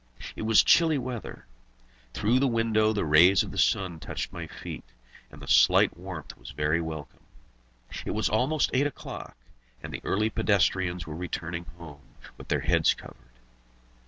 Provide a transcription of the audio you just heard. It was chilly weather. Through the window the rays of the sun touched my feet, and the slight warmth was very welcome. It was almost eight o'clock, and the early pedestrians were returning home, with their heads covered.